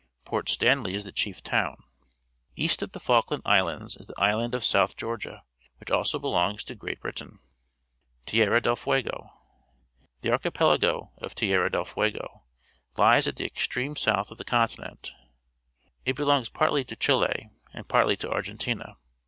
Port Stanley is the chief town. East of the Falkland Islands is the island of South Georgia, which also belongs to Great Britain. Tierra del Fuego. — The archipelago of Tierra del Fuego Ues at the extreme south of the continent. It belongs partly to Chile and partly to Argentina.